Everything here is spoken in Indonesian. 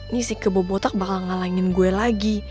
ini si kebobotak bakal ngalangin gue lagi